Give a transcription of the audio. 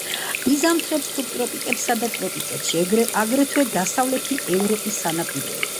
იზამთრებს სუბტროპიკებსა და ტროპიკებში, აგრეთვე დასავლეთი ევროპის სანაპიროებზე.